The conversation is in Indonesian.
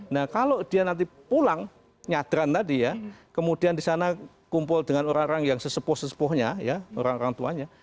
nah kalau dia nanti pulang nyadran tadi ya kemudian di sana kumpul dengan orang orang yang sesepuh sesepuhnya ya orang orang tuanya